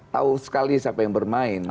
tahu sekali siapa yang bermain